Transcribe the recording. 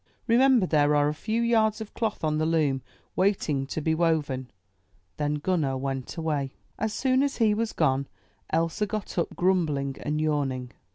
Remember there are a few yards of cloth on the loom waiting to be woven." Then Gunner went away. As soon as he was gone, Elsa got up grumbling and yawning.